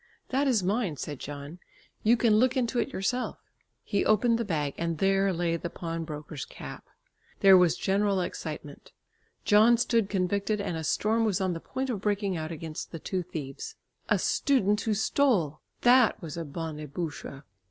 "That is mine," said John. "You can look into it yourself." He opened the bag and there lay the pawnbroker's cap! There was general excitement. John stood convicted and a storm was on the point of breaking out against the two thieves. A student who stole! That was a bonne bouche.